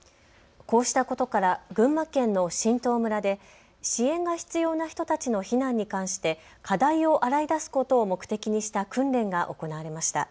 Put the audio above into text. こうしたことから群馬県の榛東村で支援が必要な人たちの避難に関して課題を洗い出すことを目的にした訓練が行われました。